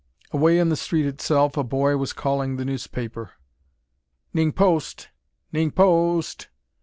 Away in the street itself, a boy was calling the newspaper: " 'NING POST! 'NING PO O ST!"